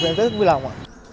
em rất vui lòng